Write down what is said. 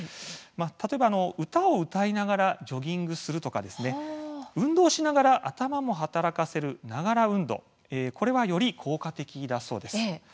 例えば、歌を歌いながらジョギングをするとか運動しながら頭も働かせる「ながら運動」がより効果的だそうです。